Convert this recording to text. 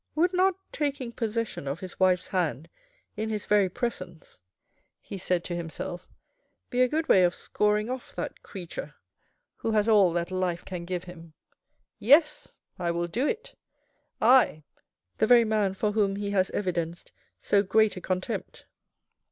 " Would not taking possession of his wife's hand in his very presence," he said to himself, " be a good way of scoring off that creature who has all that life can give him. Yes ! I will do it. I, the very man for whom he has evidenced so great a contempt."